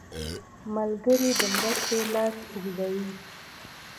ملګری د مرستې لاس اوږدوي